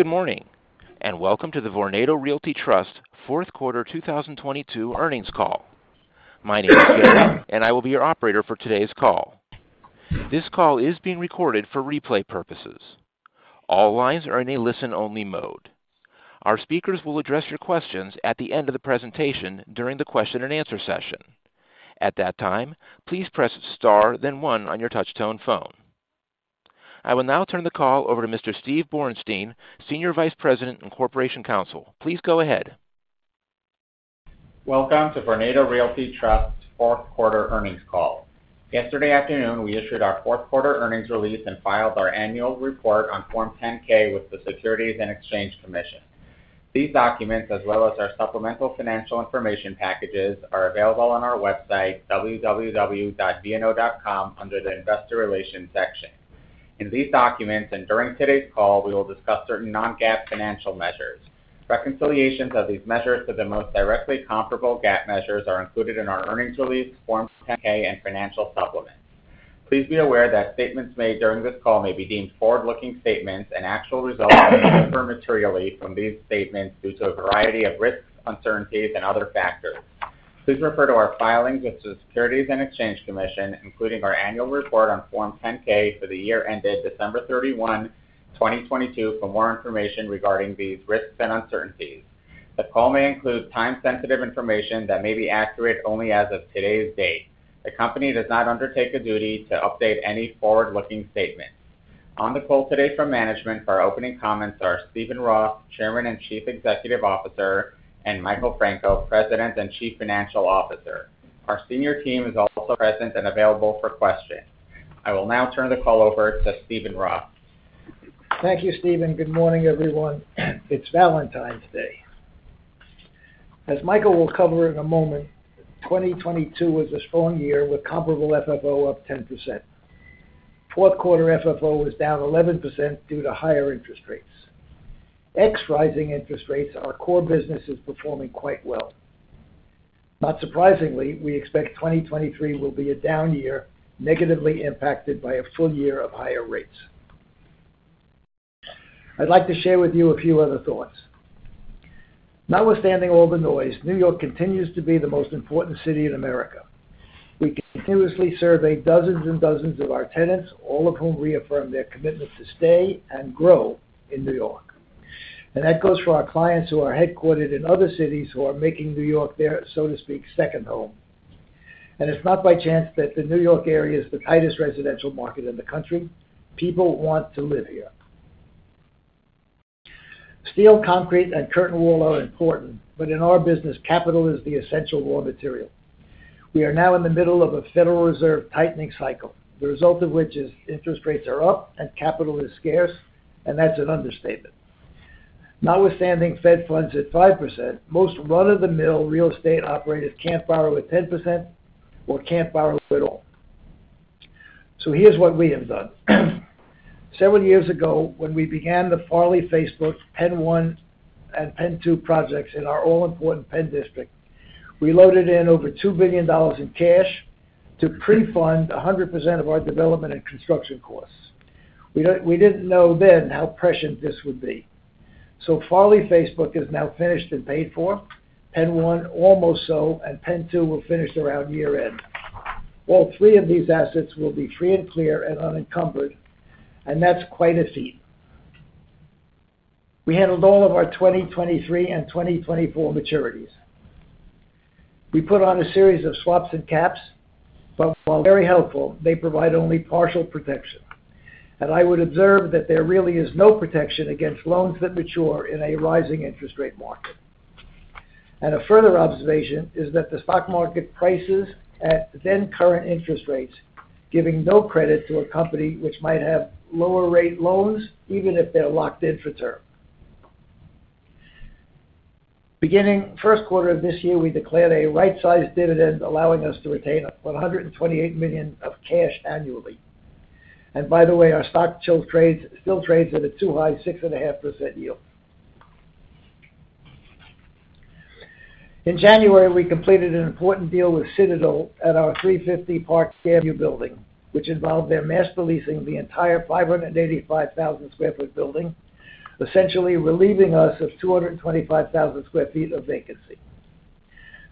Good morning, and welcome to the Vornado Realty Trust fourth 1/4 2022 earnings call. My name is Gary, and I will be your operator for today's call. This call is being recorded for replay purposes. All lines are in a Listen-Only mode. Our speakers will address your questions at the end of the presentation during the question and answer session. At that time, please press Star then 1 on your touch tone phone. I will now turn the call over to Mr. Stephen Borenstein, Senior Vice President and Corporation Counsel. Please go ahead. Welcome to Vornado Realty Trust fourth 1/4 earnings call. Yesterday afternoon, we issued our fourth 1/4 earnings release and filed our annual report on Form 10-K with the Securities and Exchange Commission. These documents, as well as our supplemental financial information packages, are available on our website www.vno.com under the Investor Relations section. In these documents and during today's call, we will discuss certain Non-GAAP financial measures. Reconciliations of these measures to the most directly comparable GAAP measures are included in our earnings release, Form 10-K, and financial supplements. Please be aware that statements made during this call may be deemed forward-looking statements and actual results may differ materially from these statements due to a variety of risks, uncertainties, and other factors. Please refer to our filings with the Securities and Exchange Commission, including our annual report on Form 10-K for the year ended December 31, 2022 for more information regarding these risks and uncertainties. The call may include time-sensitive information that may be accurate only as of today's date. The company does not undertake a duty to update any forward-looking statement. On the call today from management for our opening comments are Stephen Roth, Chairman and Chief Executive Officer, and Michael Franco, President and Chief Financial Officer. Our senior team is also present and available for questions. I will now turn the call over to Stephen Roth. Thank you, Stephen. Good morning, everyone. It's Valentine's Day. As Michael will cover in a moment, 2022 was a strong year with comparable FFO up 10%. Fourth 1/4 FFO was down 11% due to higher interest rates. Ex-Rising interest rates, our core business is performing quite well. Not surprisingly, we expect 2023 will be a down year, negatively impacted by a full year of higher rates. I'd like to share with you a few other thoughts. Notwithstanding all the noise, New York continues to be the most important city in America. We continuously survey dozens and dozens of our tenants, all of whom reaffirm their commitment to stay and grow in New York. That goes for our clients who are head1/4ed in other cities who are making New York their, so to speak, second home. It's not by chance that the New York area is the tightest residential market in the country. People want to live here. Steel, concrete, and curtain wall are important, but in our business, capital is the essential raw material. We are now in the middle of a Federal Reserve tightening cycle, the result of which is interest rates are up and capital is scarce, and that's an understatement. Notwithstanding Fed funds at 5%, most run-of-the-mill real estate operators can't borrow at 10% or can't borrow at all. Here's what we have done. Several years ago, when we began the Farley Facebook PENN 1 and Penn Two projects in our All-Important Penn District, we loaded in over $2 billion in cash to Pre-fund 100% of our development and construction costs. We didn't know then how prescient this would be. Farley Facebook is now finished and paid for, PENN 1 almost so, and PENN 2 will finish around year-end. All 3 of these assets will be free and clear and unencumbered, and that's quite a feat. We handled all of our 2023 and 2024 maturities. We put on a series of swaps and caps, but while very helpful, they provide only partial protection. I would observe that there really is no protection against loans that mature in a rising interest rate market. A further observation is that the stock market prices at then current interest rates, giving no credit to a company which might have lower rate loans, even if they're locked in for term. Beginning first 1/4 of this year, we declared a right-sized dividend allowing us to retain $128 million of cash annually. By the way, our stock still trades at a too high 6.5% yield. In January, we completed an important deal with Citadel at our 350 Park Avenue building, which involved their master leasing the entire 585,000 square foot building, essentially relieving us of 225,000 square feet of vacancy.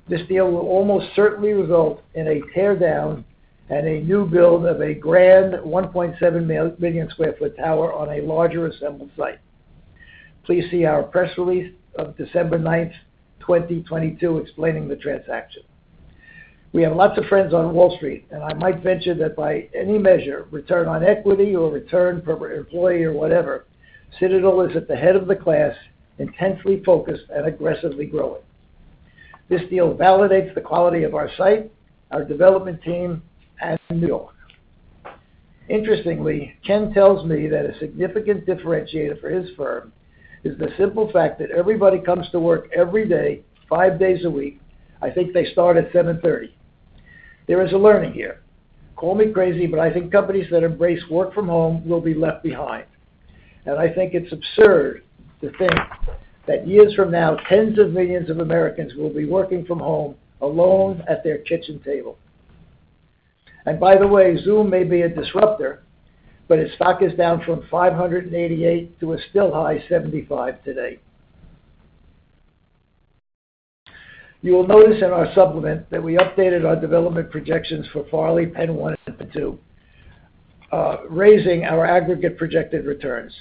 This deal will almost certainly result in a tear down and a new build of a grand 1.7 million square foot tower on a larger assembled site. Please see our press release of December 9, 2022 explaining the transaction. We have lots of friends on Wall Street, and I might venture that by any measure, return on equity or return per employee or whatever, Citadel is at the head of the class, intensely focused and aggressively growing. This deal validates the quality of our site, our development team, and New York. Interestingly, Ken tells me that a significant differentiator for his firm is the simple fact that everybody comes to work every day, 5 days a week. I think they start at 7:30 A.M. There is a learning here. Call me crazy, but I think companies that embrace work from home will be left behind. I think it's absurd to think that years from now, tens of millions of Americans will be working from home alone at their kitchen table. By the way, Zoom may be a disruptor, but its stock is down from $588 to a still high $75 today. You will notice in our supplement that we updated our development projections for Farley, PENN 1 and PENN 2, raising our aggregate projected returns.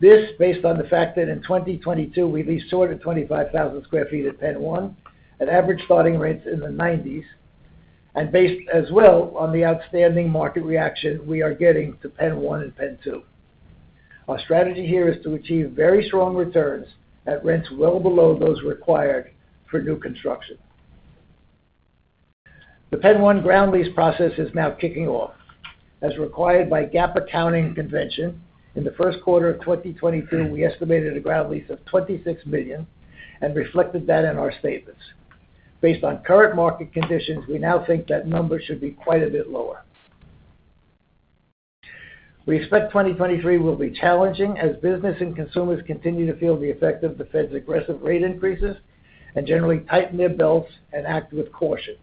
This based on the fact that in 2022, we leased 25,000 sq ft at PENN 1 at average starting rates in the nineties, and based as well on the outstanding market reaction we are getting to PENN 1 and Penn 2. Our strategy here is to achieve very strong returns at rents well below those required for new construction. The PENN 1 ground lease process is now kicking off. As required by GAAP accounting convention, in the first 1/4 of 2022, we estimated a ground lease of $26 million and reflected that in our statements. Based on current market conditions, we now think that number should be quite a bit lower. We expect 2023 will be challenging as business and consumers continue to feel the effect of the Fed's aggressive rate increases and generally tighten their belts and act with caution.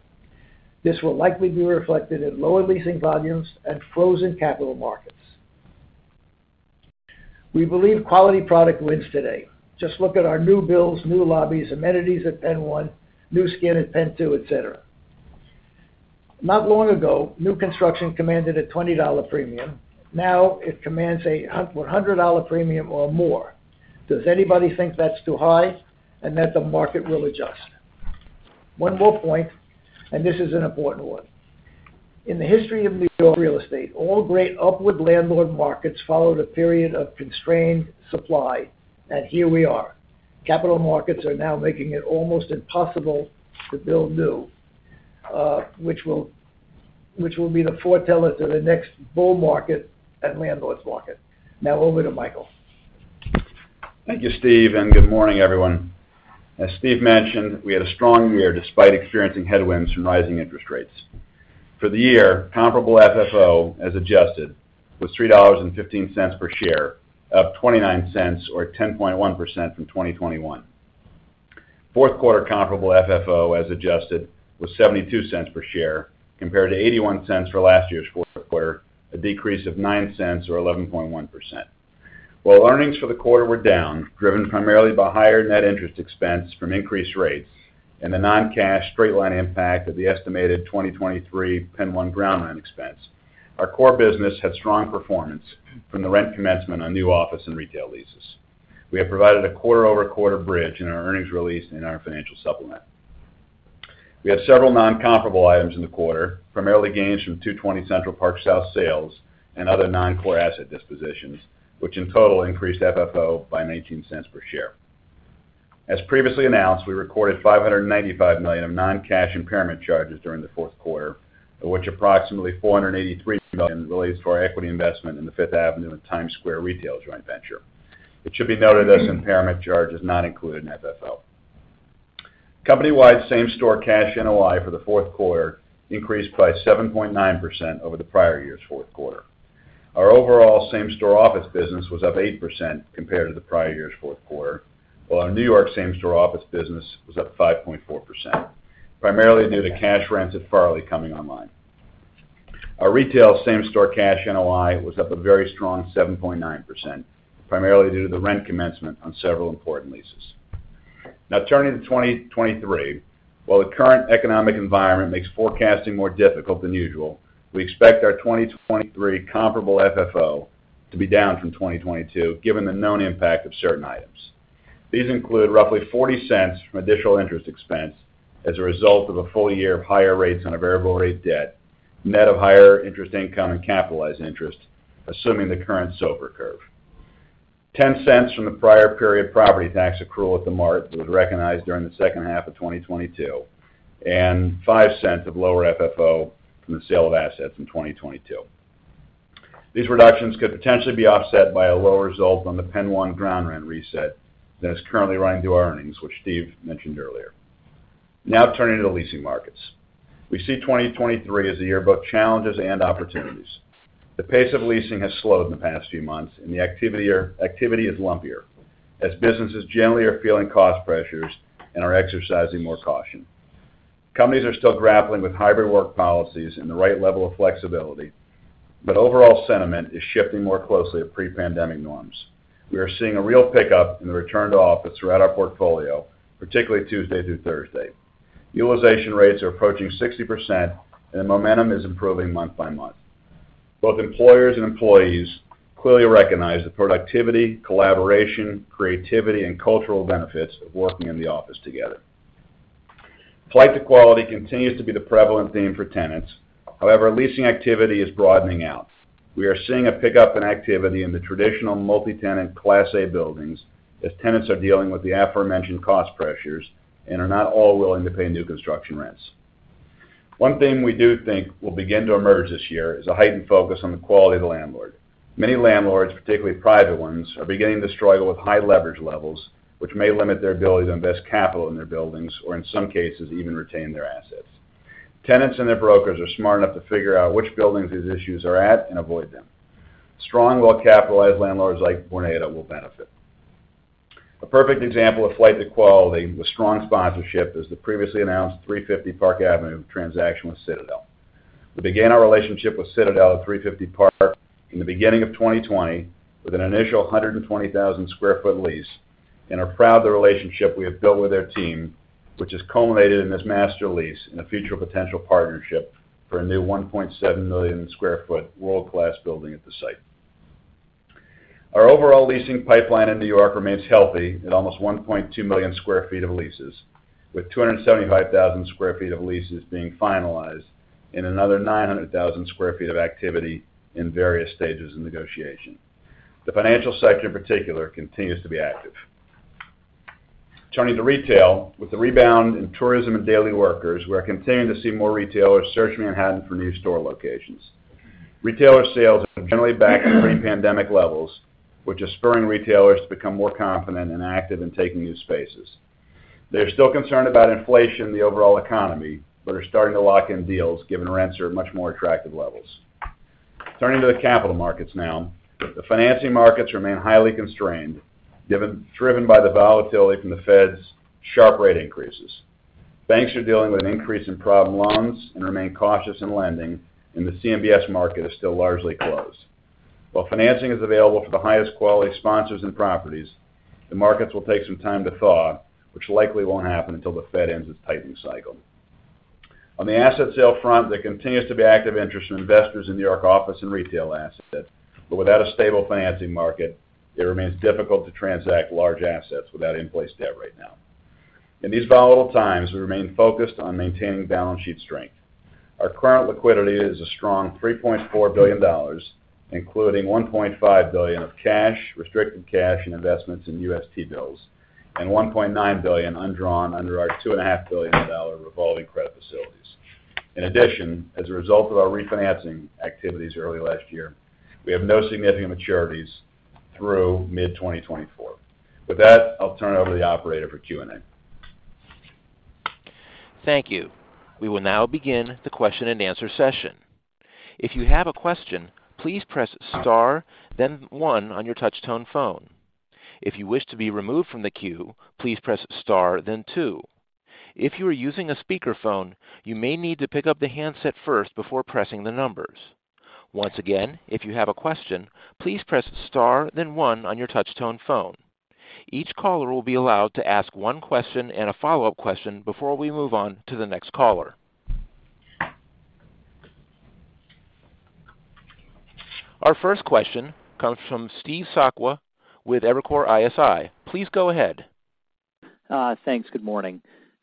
This will likely be reflected in lower leasing volumes and flows in capital markets. We believe quality product wins today. Just look at our new builds, new lobbies, amenities at Penn 1, new skin at Penn 2, et cetera. Not long ago, new construction commanded a $20 premium. Now it commands a $100 premium or more. Does anybody think that's too high and that the market will adjust? One more point. This is an important one. In the history of New York real estate, all great upward landlord markets followed a period of constrained supply. Here we are. Capital markets are now making it almost impossible to build new, which will be the foreteller to the next bull market and landlord's market. Over to Michael. Thank you, Steve. Good morning, everyone. As Steve mentioned, we had a strong year despite experiencing headwinds from rising interest rates. For the year, comparable FFO, as adjusted, was $3.15 per share, up $0.29 or 10.1% from 2021. Fourth 1/4 comparable FFO, as adjusted, was $0.72 per share compared to $0.81 for last year's fourth 1/4, a decrease of $0.09 or 11.1%. While earnings for the 1/4 were down, driven primarily by higher net interest expense from increased rates and the non-cash straight-line impact of the estimated 2023 PENN 1 ground rent expense, our core business had strong performance from the rent commencement on new office and retail leases. We have provided a 1/4-over-1/4 bridge in our earnings release in our financial supplement. We have several non-comparable items in the 1/4, primarily gains from 220 Central Park South sales and other non-core asset dispositions, which in total increased FFO by $0.19 per share. As previously announced, we recorded $595 million of non-cash impairment charges during the fourth 1/4, of which approximately $483 million relates to our equity investment in the Fifth Avenue and Times Square Retail Joint Venture. It should be noted as impairment charge is not included in FFO. Company-wide same-store cash NOI for the fourth 1/4 increased by 7.9% over the prior year's fourth 1/4. Our overall Same-Store office business was up 8% compared to the prior year's fourth 1/4, while our New York Same-Store office business was up 5.4%, primarily due to cash rents at Farley coming online. Our retail same-store cash NOI was up a very strong 7.9%, primarily due to the rent commencement on several important leases. Turning to 2023. While the current economic environment makes forecasting more difficult than usual, we expect our 2023 comparable FFO to be down from 2022, given the known impact of certain items. These include roughly $0.40 from additional interest expense as a result of a full year of higher rates on a variable rate debt, net of higher interest income and capitalized interest, assuming the current SOFR curve. $0.10 from the prior period property tax accrual at The Mart that was recognized during the second 1/2 of 2022, and $0.05 of lower FFO from the sale of assets in 2022. These reductions could potentially be offset by a lower result on the PENN 1 ground rent reset that is currently running through our earnings, which Steve mentioned earlier. Turning to the leasing markets. We see 2023 as a year of both challenges and opportunities. The pace of leasing has slowed in the past few months, and the activity is lumpier as businesses generally are feeling cost pressures and are exercising more caution. Companies are still grappling with hybrid work policies and the right level of flexibility, but overall sentiment is shifting more closely to Pre-pandemic norms. We are seeing a real pickup in the return to office throughout our portfolio, particularly Tuesday through Thursday. Utilization rates are approaching 60% and the momentum is improving month by month. Both employers and employees clearly recognize the productivity, collaboration, creativity, and cultural benefits of working in the office together. Flight to quality continues to be the prevalent theme for tenants. Leasing activity is broadening out. We are seeing a pickup in activity in the traditional Multi-Tenant Class A buildings as tenants are dealing with the aforementioned cost pressures and are not all willing to pay new construction rents. One thing we do think will begin to emerge this year is a heightened focus on the quality of the landlord. Many landlords, particularly private ones, are beginning to struggle with high leverage levels, which may limit their ability to invest capital in their buildings or, in some cases, even retain their assets. Tenants and their brokers are smart enough to figure out which buildings these issues are at and avoid them. Strong, well-capitalized landlords like Vornado will benefit. A perfect example of flight to quality with strong sponsorship is the previously announced 350 Park Avenue transaction with Citadel. We began our relationship with Citadel at 350 Park in the beginning of 2020 with an initial 120,000 sq ft lease, and are proud of the relationship we have built with their team, which has culminated in this master lease and a future potential partnership for a new 1.7 million sq ft world-class building at the site. Our overall leasing pipeline in New York remains healthy at almost 1.2 million sq ft of leases, with 275,000 sq ft of leases being finalized and another 900,000 sq ft of activity in various stages of negotiation. The financial sector in particular continues to be active. Turning to retail. With the rebound in tourism and daily workers, we are continuing to see more retailers searching Manhattan for new store locations. Retailer sales are generally back to Pre-pandemic levels, which is spurring retailers to become more confident and active in taking new spaces. They're still concerned about inflation in the overall economy, but are starting to lock in deals given rents are at much more attractive levels. Turning to the capital markets now. The financing markets remain highly constrained, driven by the volatility from the Fed's sharp rate increases. Banks are dealing with an increase in problem loans and remain cautious in lending, and the CMBS market is still largely closed. While financing is available for the highest quality sponsors and properties, the markets will take some time to thaw, which likely won't happen until the Fed ends its tightening cycle. On the asset sale front, there continues to be active interest from investors in New York office and retail assets. Without a stable financing market, it remains difficult to transact large assets without in-place debt right now. In these volatile times, we remain focused on maintaining balance sheet strength. Our current liquidity is a strong $3.4 billion, including $1.5 billion of cash, restricted cash, and investments in UST bills, and $1.9 billion undrawn under our $2.5 billion revolving credit facilities. In addition, as a result of our refinancing activities early last year, we have no significant maturities through mid-2024. With that, I'll turn it over to the operator for Q&A. Thank you. We will now begin the Question-And-Answer session. If you have a question, please press star then 1 on your touch tone phone. If you wish to be removed from the queue, please press star then 2. If you are using a speakerphone, you may need to pick up the handset first before pressing the numbers. Once again, if you have a question, please press star then 1 on your touch tone phone. Each caller will be allowed to ask one question and a follow-up question before we move on to the next caller. Our first question comes from Steve Sakwa with Evercore ISI. Please go ahead. Thanks. Good morning.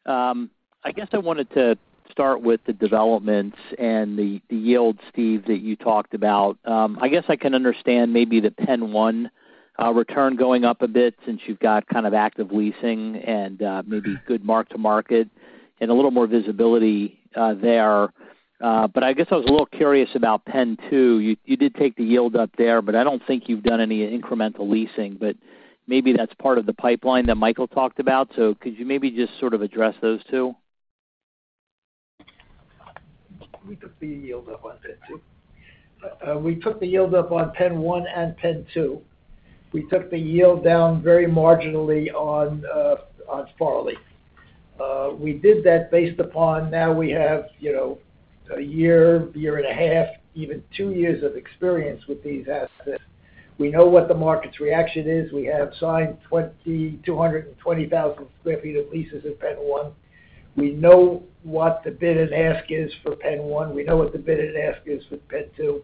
I guess I wanted to start with the developments and the yield, Steve, that you talked about. I guess I can understand maybe the PENN 1 return going up a bit since you've got kind of active leasing and maybe good mark to market and a little more visibility there. I guess I was a little curious about PENN 2. You did take the yield up there, but I don't think you've done any incremental leasing. Maybe that's part of the pipeline that Michael talked about. Could you maybe just sort of address those 2? We took the yield up on Penn Two. We took the yield up on Penn 1 and Penn. We took the yield down very marginally on Farley. We did that based upon now we have, you know, 1 year, 1 and a 1/2, even 2 years of experience with these assets. We know what the market's reaction is. We have signed 220,000 sq ft of leases at Penn One. We know what the bid and ask is for Penn One. We know what the bid and ask is for Penn Two.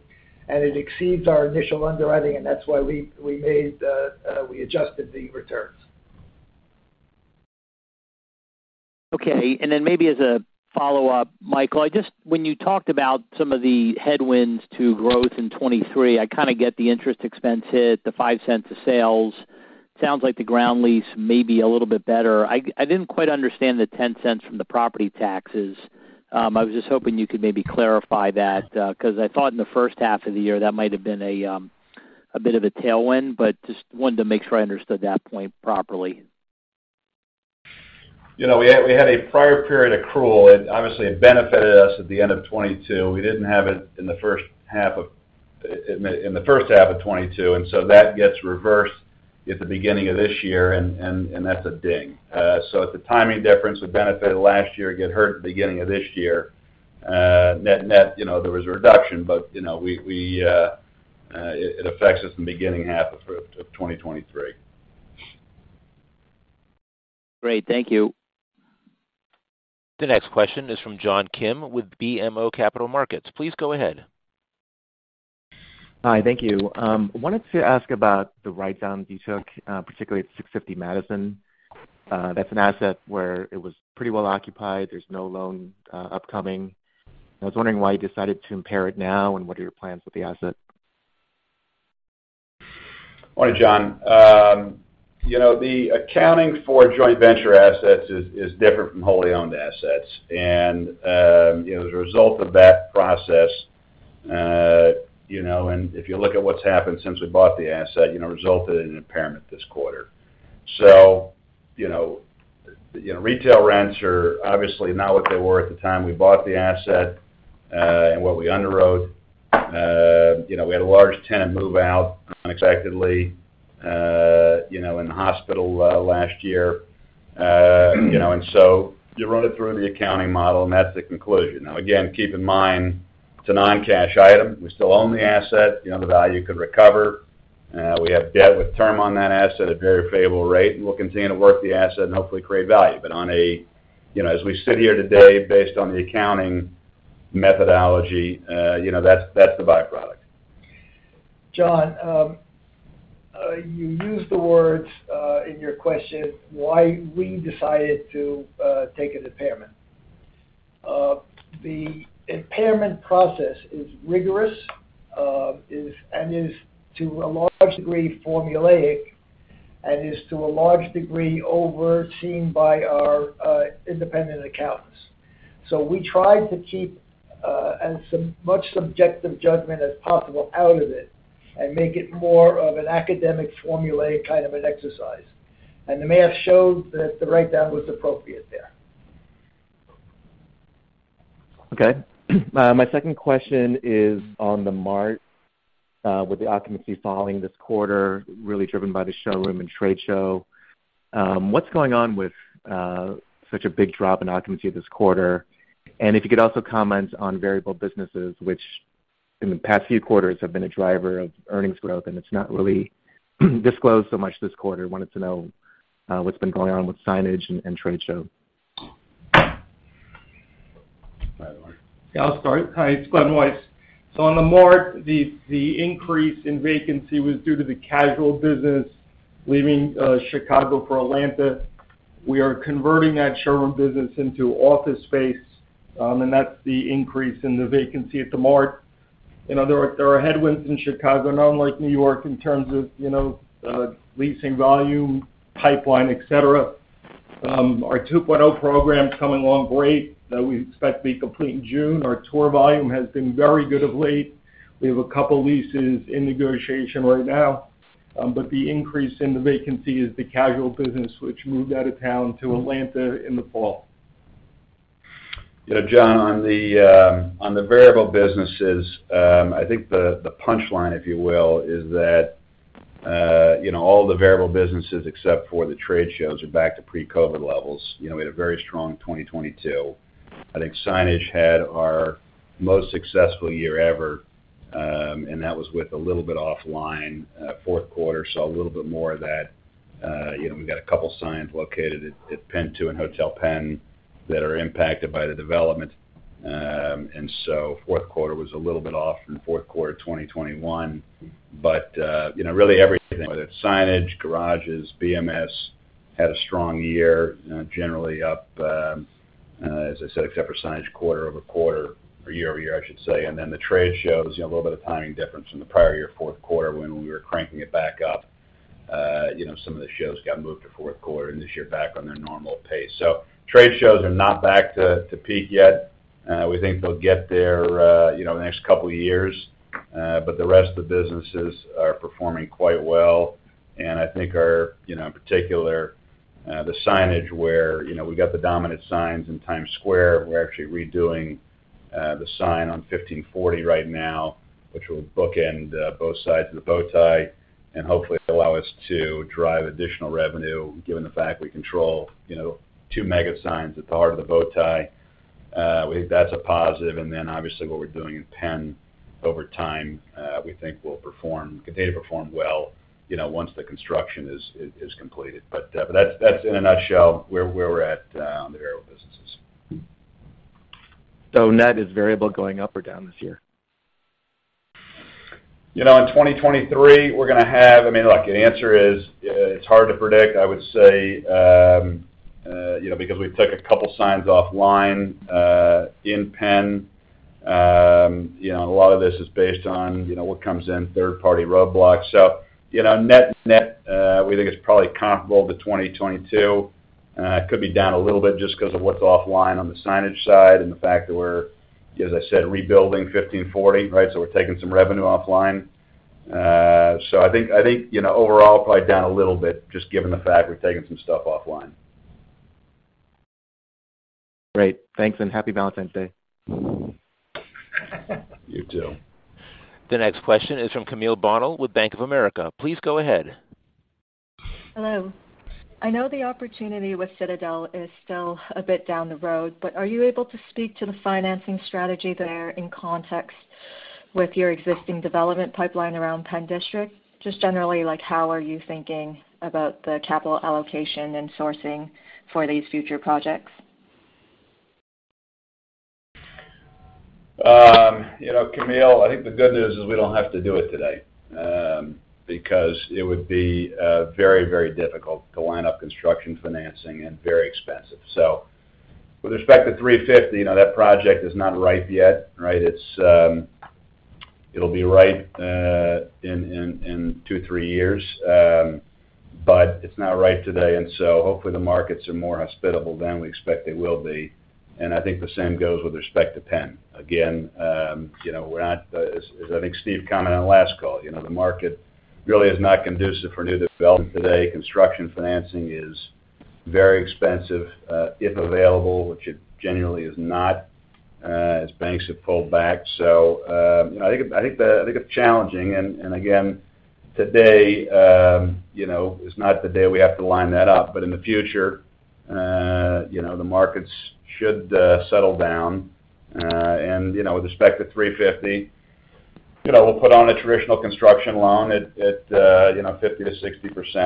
It exceeds our initial underwriting, and that's why we made, we adjusted the returns. Okay. Maybe as a follow-up, Michael, when you talked about some of the headwinds to growth in 23, I kinda get the interest expense hit, the $0.05 a sales. Sounds like the ground lease may be a little bit better. I didn't quite understand the $0.10 from the property taxes. I was just hoping you could maybe clarify that, 'cause I thought in the first 1/2 of the year, that might have been a bit of a tailwind, but just wanted to make sure I understood that point properly. You know, we had a prior period accrual. It obviously, it benefited us at the end of 22. We didn't have it in the first 1/2 of 22, and so that gets reversed at the beginning of this year and that's a ding. It's a timing difference. It benefited last year, it got hurt at the beginning of this year. Net-net, you know, there was a reduction, but, you know, we, it affects us in the beginning 1/2 of 2023. Great. Thank you. The next question is from John Kim with BMO Capital Markets. Please go ahead. Hi. Thank you. Wanted to ask about the write down that you took, particularly at 650 Madison. That's an asset where it was pretty well occupied. There's no loan upcoming. I was wondering why you decided to impair it now, and what are your plans with the asset? Morning, John. You know, the accounting for joint venture assets is different from wholly owned assets. You know, as a result of that process, you know, and if you look at what's happened since we bought the asset, you know, resulted in an impairment this 1/4. You know, retail rents are obviously not what they were at the time we bought the asset and what we underwrote. You know, we had a large tenant move out unexpectedly, you know, in the hospital last year. You run it through the accounting model, that's the conclusion. Now, again, keep in mind it's a non-cash item. We still own the asset, you know, the value could recover. We have debt with term on that asset at a very favorable rate, and we'll continue to work the asset and hopefully create value. You know, as we sit here today based on the accounting methodology, you know, that's the byproduct. John, you used the words in your question, why we decided to take an impairment. The impairment process is rigorous, and is to a large degree formulaic, and is to a large degree overseen by our independent accountants. We try to keep as much subjective judgment as possible out of it and make it more of an academic formulaic kind of an exercise. The math showed that the write down was appropriate there. Okay. My second question is on the Mart, with the occupancy falling this 1/4 really driven by the showroom and trade show. What's going on with such a big drop in occupancy this 1/4? If you could also comment on variable businesses, which in the past few quarters have been a driver of earnings growth, and it's not really disclosed so much this 1/4. Wanted to know what's been going on with signage and trade shows. Go ahead, Mark. I'll start. Hi, it's Glen Weiss. On the Mart, the increase in vacancy was due to the casual business leaving Chicago for Atlanta. We are converting that showroom business into office space, that's the increase in the vacancy at the Mart. You know, there are headwinds in Chicago, unlike New York, in terms of, you know, leasing volume, pipeline, et cetera. Our 2.0 program's coming along great that we expect to be complete in June. Our tour volume has been very good of late. We have a couple leases in negotiation right now. The increase in the vacancy is the casual business, which moved out of town to Atlanta in the fall. John, on the variable businesses, I think the punchline, if you will, is that, you know, all the variable businesses except for the trade shows are back to Pre-COVID levels. You know, we had a very strong 2022. I think signage had our most successful year ever, and that was with a little bit offline. Fourth 1/4 saw a little bit more of that. You know, we've got a couple signs located at Penn Two and Hotel Penn that are impacted by the development. Fourth 1/4 was a little bit off from fourth 1/4 2021. You know, really everything, whether it's signage, garages, BMS, had a strong year, generally up, as I said, except for signage quarter-over-quarter or year-over-year, I should say. The trade shows, you know, a little bit of timing difference from the prior year fourth 1/4 when we were cranking it back up. You know, some of the shows got moved to fourth 1/4, and this year back on their normal pace. Trade shows are not back to peak yet. We think they'll get there, you know, in the next couple of years. The rest of the businesses are performing quite well. I think our, you know, in particular, the signage where, you know, we got the dominant signs in Times Square, we're actually redoing the sign on 1540 right now, which will bookend both sides of the Bow Tie and hopefully allow us to drive additional revenue, given the fact we control, you know, 2 mega signs at the heart of the Bow Tie. We think that's a positive. Obviously what we're doing in Penn over time, we think will perform, continue to perform well, you know, once the construction is completed. That's in a nutshell where we're at on the variable businesses. Net is variable going up or down this year? You know, in 2023, I mean, look, the answer is, it's hard to predict, I would say, you know, because we took a couple signs offline in Penn. You know, a lot of this is based on, you know, what comes in third party roadblocks. You know, net, we think it's probably comparable to 2022. It could be down a little bit just 'cause of what's offline on the signage side and the fact that we're, as I said, rebuilding 1540, right? We're taking some revenue offline. I think, you know, overall, probably down a little bit just given the fact we're taking some stuff offline. Great. Thanks, and happy Valentine's Day. You too. The next question is from Camille Bonnell with Bank of America. Please go ahead. Hello. I know the opportunity with Citadel is still a bit down the road, but are you able to speak to the financing strategy there in context with your existing development pipeline around Penn District? Just generally, like, how are you thinking about the capital allocation and sourcing for these future projects? You know, Camille, I think the good news is we don't have to do it today, because it would be very, very difficult to line up construction financing and very expensive. With respect to 350, you know, that project is not ripe yet, right? It's, it'll be ripe in 2, 3 years. But it's not ripe today, hopefully the markets are more hospitable then. We expect they will be. I think the same goes with respect to Penn. Again, you know, we're not as I think Stephen commented on last call, you know, the market really is not conducive for new development today. Construction financing is very expensive, if available, which it generally is not, as banks have pulled back. You know, I think it's challenging. Again, today, you know, is not the day we have to line that up, but in the future, you know, the markets should settle down. You know, with respect to 350, you know, we'll put on a traditional construction loan at, you know, 50%-60%,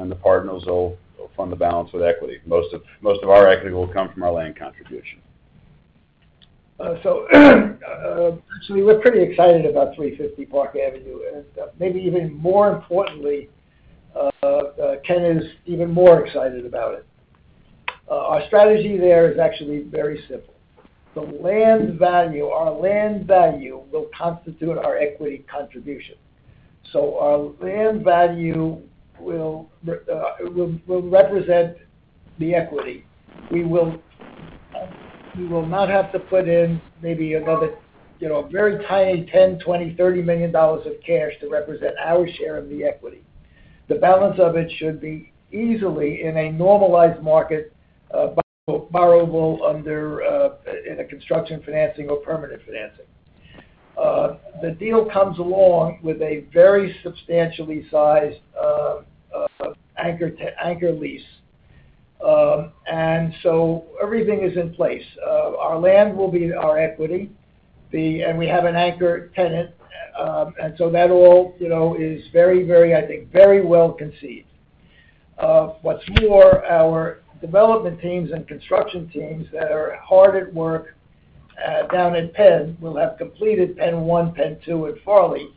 and the partners will fund the balance with equity. Most of our equity will come from our land contribution. We're pretty excited about 350 Park Avenue, and maybe even more importantly, Ken is even more excited about it. Our strategy there is actually very simple. The land value, our land value will constitute our equity contribution. Our land value will represent the equity. We will not have to put in maybe another, you know, a very tiny $10 million, $20 million, $30 million of cash to represent our share of the equity. The balance of it should be easily in a normalized market, borrowable under in a construction financing or permanent financing. The deal comes along with a very substantially sized anchor lease. Everything is in place. Our land will be our equity. We have an anchor tenant. That all, you know, is very, very, I think, very well conceived. What's more, our development teams and construction teams that are hard at work down at Penn will have completed PENN 1, PENN 2 at Farley,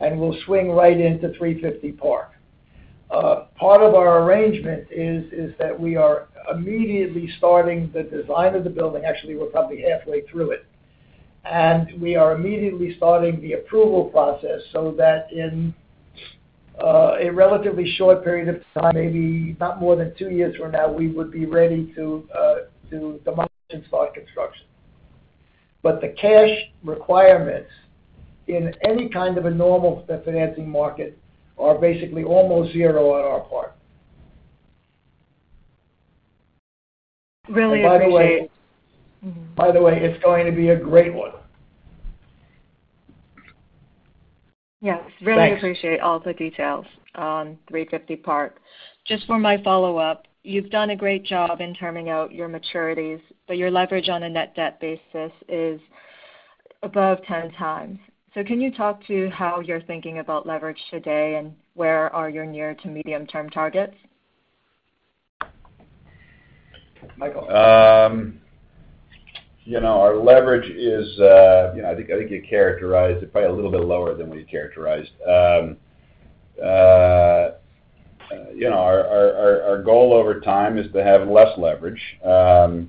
and we'll swing right into 350 Park Avenue. Part of our arrangement is that we are immediately starting the design of the building. Actually, we're probably 1/2way through it. We are immediately starting the approval process so that in a relatively short period of time, maybe not more than 2 years from now, we would be ready to commence and start construction. The cash requirements in any kind of a normal financing market are basically almost 0 on our part. By the way, it's going to be a great one. Yes. Thanks. Really appreciate all the details on 350 Park. Just for my follow-up, you've done a great job in terming out your maturities, but your leverage on a net debt basis is above 10 times. Can you talk to how you're thinking about leverage today, and where are your near to medium term targets? Michael. You know, our leverage is, you know, I think you characterized it probably a little bit lower than we characterized. You know, our goal over time is to have less leverage. You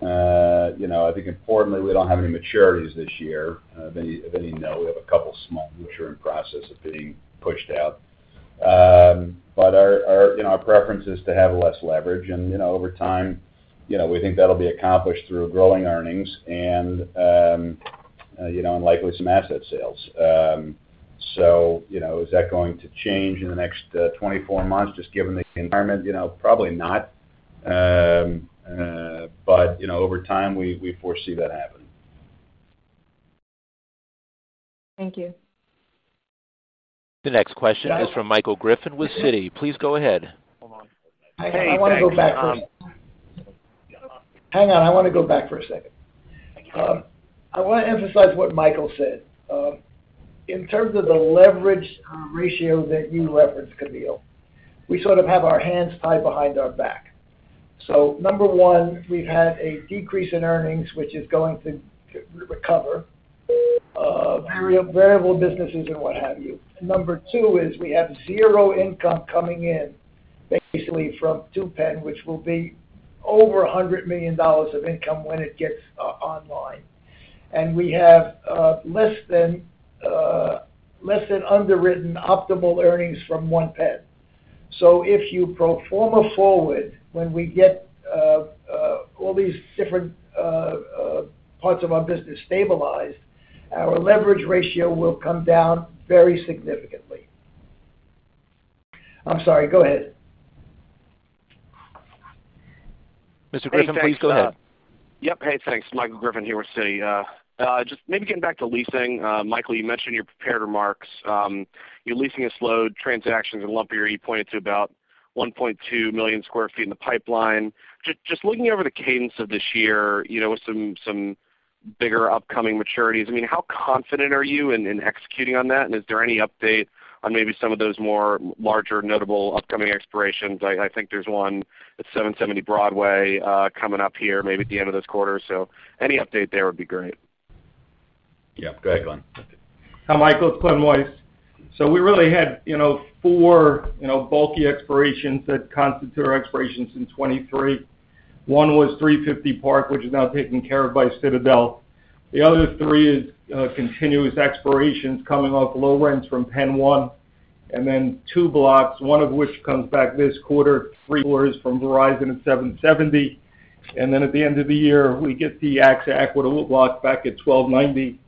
know, I think importantly, we don't have any maturities this year. If any of you know, we have a couple small which are in process of being pushed out. Our preference is to have less leverage. You know, over time, you know, we think that'll be accomplished through growing earnings and, you know, and likely some asset sales. You know, is that going to change in the next 24 months just given the environment? You know, probably not. You know, over time, we foresee that happening. Thank you. The next question is from Michael Griffin with Citi. Please go ahead. Hold on. Hey, thanks, I wanna go back for a second. Hang on, I wanna go back for a second. I wanna emphasize what Michael said. In terms of the leverage ratio that you referenced, Camille, we sort of have our hands tied behind our back. Number 1, we've had a decrease in earnings, which is going to re-recover, variable businesses and what have you. Number 2 is we have zero income coming in basically from Two Penn, which will be over $100 million of income when it gets online. We have less than underwritten optimal earnings from One Penn. If you pro forma forward, when we get all these different parts of our business stabilized, our leverage ratio will come down very significantly. I'm sorry. Go ahead. Mr. Griffin, please go ahead. Hey, thanks. Yep. Hey, thanks. Michael Griffin here with Citi. Just maybe getting back to leasing. Michael, you mentioned in your prepared remarks, your leasing is slow. Transactions in lumpier. You pointed to about 1.2 million sq ft in the pipeline. Just looking over the cadence of this year, you know, with some bigger upcoming maturities, I mean, how confident are you in executing on that? Is there any update on maybe some of those more larger, notable upcoming expirations? I think there's one at 770 Broadway, coming up here maybe at the end of this 1/4. Any update there would be great. Yeah. Go ahead, Glen. Hi, Michael, it's Glen Weiss. We really had, you know, four, you know, bulky expirations that constitute our expirations in 2023. One was 350 Park, which is now taken care of by Citadel. The other 3 is continuous expirations coming off low rents from PENN 1. 2 blocks, 1 of which comes back this 1/4, 3 quarters from Verizon at 770. At the end of the year, we get the AXA Equitable block back at 1290.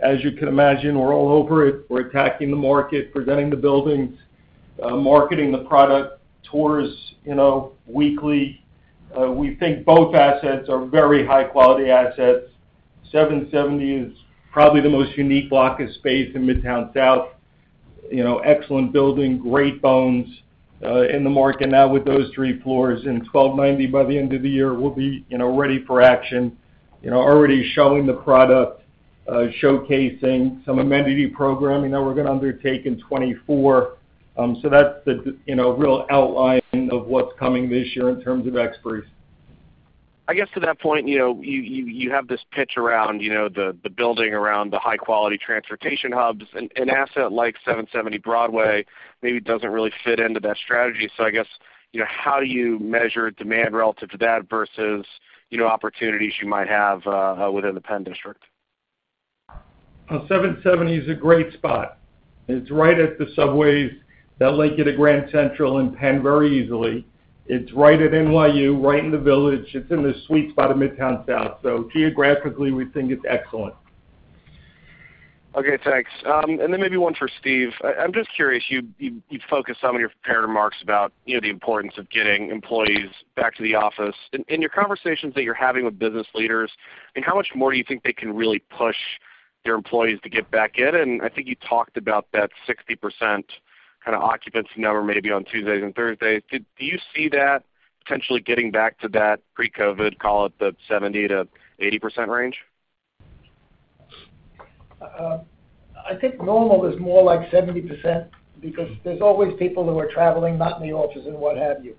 As you can imagine, we're all over it. We're attacking the market, presenting the buildings, marketing the product, tours, you know, weekly. We think both assets are very High-Quality assets. 770 is probably the most unique block of space in Midtown South. You know, excellent building, great bones, in the market now with those 3 floors. 1290 by the end of the year will be, you know, ready for action. You know, already showing the product, showcasing some amenity programming that we're gonna undertake in 2024. That's the, you know, real outline of what's coming this year in terms of expertise. I guess to that point, you know, you have this pitch around, you know, the building around the high-quality transportation hubs. An asset like 770 Broadway maybe doesn't really fit into that strategy. I guess, you know, how do you measure demand relative to that versus, you know, opportunities you might have within the Penn District? 770 is a great spot. It's right at the subways that link you to Grand Central and Penn very easily. It's right at NYU, right in the Village. It's in the sweet spot of Midtown South. Geographically, we think it's excellent. Okay, thanks. Maybe one for Steve. I'm just curious, you focused some of your prepared remarks about, you know, the importance of getting employees back to the office. In your conversations that you're having with business leaders, I mean, how much more do you think they can really push their employees to get back in? I think you talked about that 60% kind of occupancy number maybe on Tuesdays and Thursdays. Do you see that potentially getting back to that Pre-COVID, call it the 70%-80% range? I think normal is more like 70% because there's always people who are traveling, not in the offices and what have you.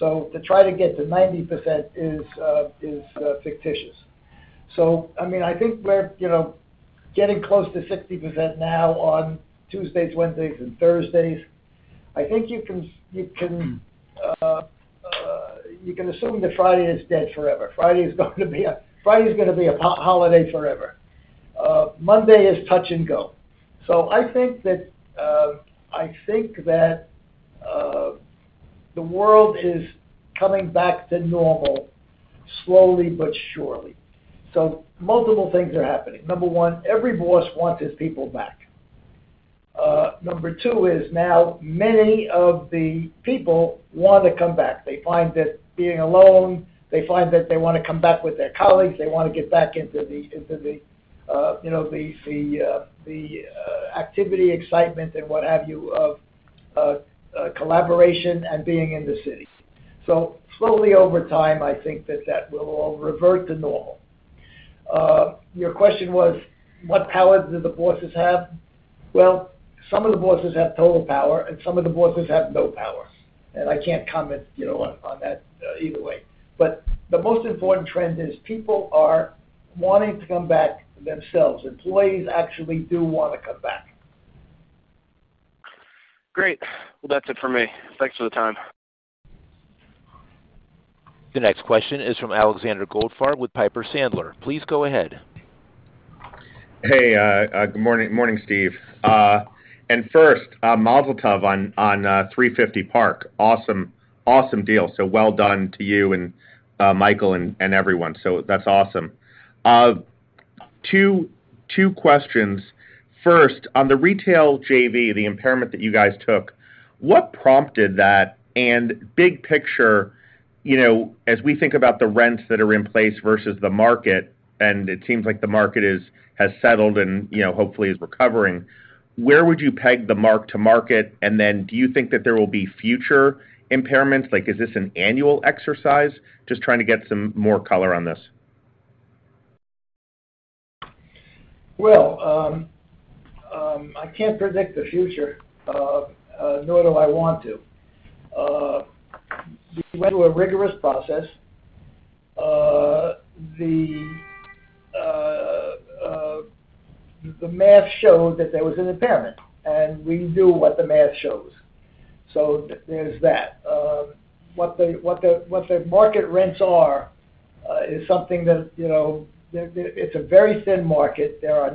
To try to get to 90% is fictitious. I mean, I think we're, you know, getting close to 60% now on Tuesdays, Wednesdays and Thursdays. I think you can assume that Friday is dead forever. Friday is gonna be a holiday forever. Monday is touch and go. I think that the world is coming back to normal slowly but surely. Multiple things are happening. Number 1, every boss wants his people back. Number 2 is now many of the people wanna come back. They find that being alone, they find that they wanna come back with their colleagues, they wanna get back into the, you know, the activity, excitement and what have you of collaboration and being in the city. Slowly over time, I think that that will all revert to normal. Your question was, what power do the bosses have? Well, some of the bosses have total power, and some of the bosses have no power. I can't comment, you know, on that either way. The most important trend is people are wanting to come back themselves. Employees actually do wanna come back. Great. Well, that's it for me. Thanks for the time. The next question is from Alexander Goldfarb with Piper Sandler. Please go ahead. Good morning, Steve. First, mazel tov on 350 Park Avenue. Awesome deal. Well done to you and Michael and everyone. That's awesome. Two questions. First, on the retail JV, the impairment that you guys took, what prompted that? Big picture, you know, as we think about the rents that are in place versus the market, and it seems like the market has settled and, you know, hopefully is recovering, where would you peg the mark to market? Do you think that there will be future impairments? Like, is this an annual exercise? Just trying to get some more color on this. Well, I can't predict the future, nor do I want to. We went through a rigorous process. The math showed that there was an impairment, and we do what the math shows. There's that. What the market rents are, is something that, you know, it's a very thin market. There are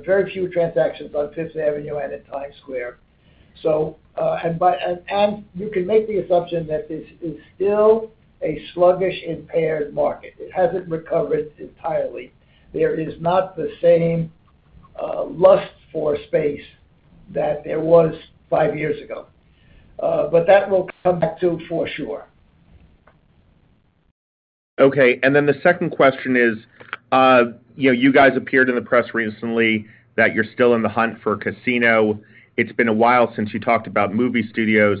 very few transactions on Fifth Avenue and in Times Square. You can make the assumption that this is still a sluggish, impaired market. It hasn't recovered entirely. There is not the same lust for space that there was 5 years ago. That will come back too, for sure. Okay. The second question is, you know, you guys appeared in the press recently that you're still in the hunt for casino. It's been a while since you talked about movie studios.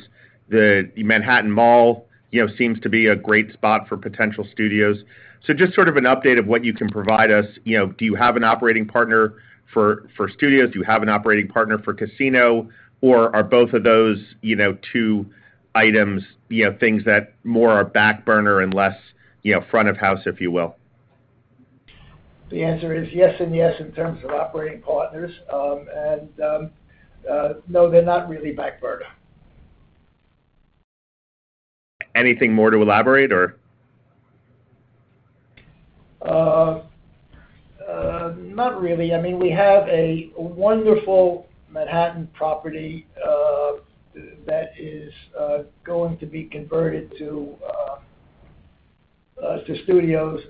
The Manhattan Mall, you know, seems to be a great spot for potential studios. Just sort of an update of what you can provide us. You know, do you have an operating partner for studios? Do you have an operating partner for casino? Are both of those, you know, 2 items, you know, things that more are back burner and less, you know, front of house, if you will? The answer is yes and yes in terms of operating partners. No, they're not really back burner. Anything more to elaborate or? I mean, not really. We have a wonderful Manhattan property, that is going to be converted to studios.